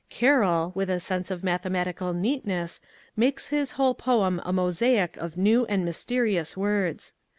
Car roll, with a sense of mathematical neatness, makes his whole poem a mosaic of new and mysterious words.